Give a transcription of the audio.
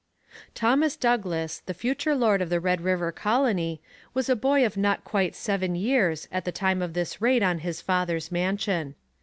Thomas Douglas, the future lord of the Red River Colony, was a boy of not quite seven years at the time of this raid on his father's mansion.